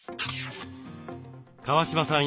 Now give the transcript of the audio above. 川嶋さん